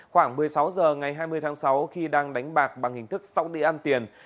khoảng một mươi sáu h ngày hai mươi tháng sáu khi đang đánh bạc bằng hình thức sóc đi ăn tiền